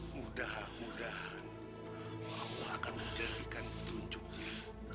mudah mudahan allah akan menjadikan petunjuknya